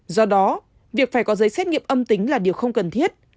do đó việc phải có giấy xét nghiệm âm tính là điều không cần thiết